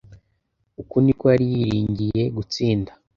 Uko ni ko yari yiringiye gutsinda